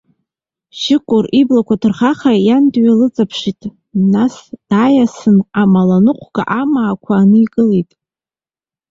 Шьықәыр иблақәа ҭырхаха иан дҩалыҵаԥшит, нас дааиасын амаланыҟәа амаақәа ааникылт.